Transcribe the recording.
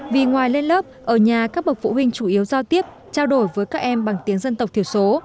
vì ngoài lên lớp ở nhà các bậc phụ huynh chủ yếu giao tiếp trao đổi với các em bằng tiếng dân tộc thiểu số